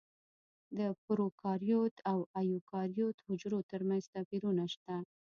د پروکاریوت او ایوکاریوت حجرو ترمنځ توپیرونه شته.